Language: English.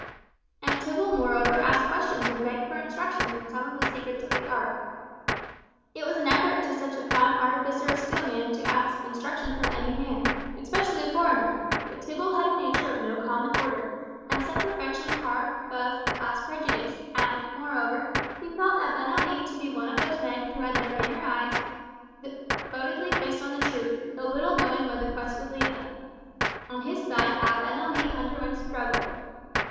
And Tibble moreover asked questions and begged for instructions in some of the secrets of the art. It was an effort to such a prime artificer as Steelman to ask instruction from any man, especially a foreigner, but Tibble had a nature of no common order, and set perfection far above class prejudice; and moreover, he felt Abenali to be one of those men who had their inner eyes devotedly fixed on the truth, though little knowing where the quest would lead them. On his side Abenali underwent a struggle.